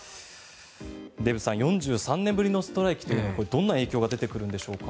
デーブさん、４３年ぶりのストライキというのはこれはどんな影響が出てくるんでしょうか。